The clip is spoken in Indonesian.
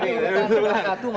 ya ini udah tanpa satu